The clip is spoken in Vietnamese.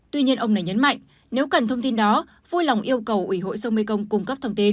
tuy nhiên ông này nhấn mạnh nếu cần thông tin đó vui lòng yêu cầu ủy hội sông mekong cung cấp thông tin